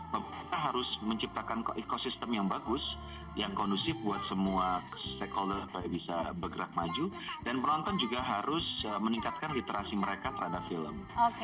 pemerintah harus menciptakan ekosistem yang bagus yang kondusif buat semua stakeholder supaya bisa bergerak maju dan penonton juga harus meningkatkan literasi mereka terhadap film